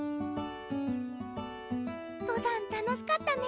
登山楽しかったね